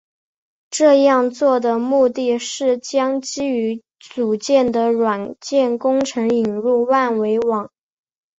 这样做的目的是将基于组件的软件工程引入万维网。